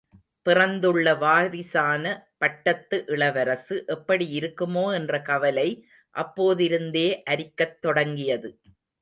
பிறந்துள்ள வாரிசான பட்டத்து இளவரசு எப்படி இருக்குமோ என்ற கவலை அப்போதிருந்தே அரிக்கத் தொடங்கியது.